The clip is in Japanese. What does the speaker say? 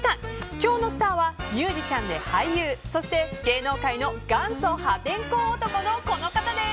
今日のスターはミュージシャンで俳優そして芸能界の元祖破天荒男のこの方です。